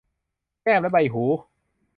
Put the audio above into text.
แก้มและใบหู